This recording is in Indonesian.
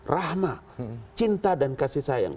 rahma cinta dan kasih sayang